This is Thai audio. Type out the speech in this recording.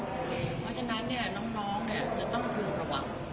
เพราะฉะนั้นน้องจะต้องพึงระวัง